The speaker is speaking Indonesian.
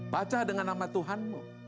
baca dengan nama tuhanmu